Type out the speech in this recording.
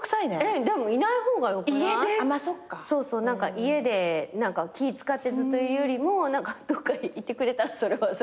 家で気ぃ使ってずっといるよりもどっか行ってくれたらそれはそれで。